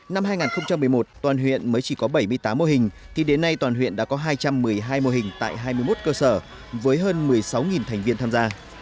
năm hai nghìn một mươi một toàn huyện mới chỉ có bảy mươi tám mô hình thì đến nay toàn huyện đã có hai trăm một mươi hai mô hình tại hai mươi một cơ sở với hơn một mươi sáu thành viên tham gia